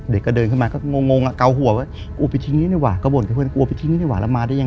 เด็กก็เดินขึ้นมาก็งงสาม